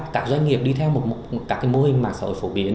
các doanh nghiệp đi theo một các mô hình mạng xã hội phổ biến